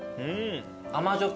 甘じょっ